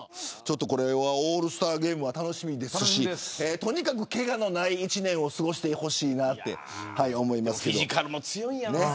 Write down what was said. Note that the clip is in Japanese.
オールスターゲームが楽しみですしとにかくけがのない一年を過ごしてほしいなと思います。